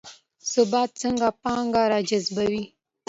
ثبات څنګه پانګه راجذبوي؟